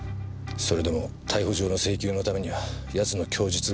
それでも逮捕状の請求のためには奴の供述が不可欠だった。